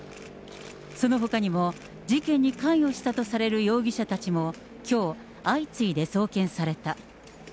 そのほかにも、事件に関与したとされる容疑者たちもきょう、相次いで送検された。